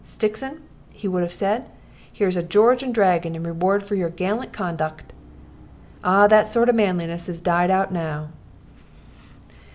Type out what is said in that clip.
Stixon,' he would have said, 'here's a George and Dragon in reward of your gallant conduck.' Ah, that sort of manliness is died out now."